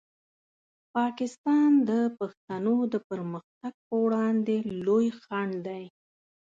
پاکستان د پښتنو د پرمختګ په وړاندې لوی خنډ دی.